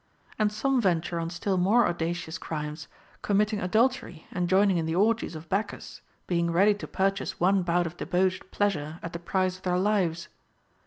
And some venture on still more audacious crimes, committing adul tery and joining in the orgies of Bacchus, being ready to purchase one bout of debauched pleasure at the price of their lives.